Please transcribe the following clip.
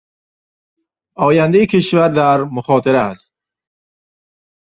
آیندهی کشور در مخاطره است.